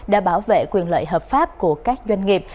đã bảo vệ quyền lợi hợp pháp của các doanh nghiệp